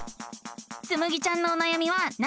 つむぎちゃんのおなやみは何かな？